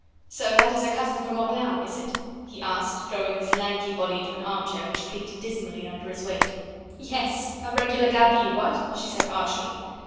"So that is a cousin from Orleans, is it?" he asked, throwing his lanky body into an armchair, which creaked dismally under his weight. "Yes! a regular gaby what?" she said archly.